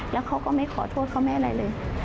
แล้วเขาก็ไม่ขอโทษเขาไม่อะไรเลย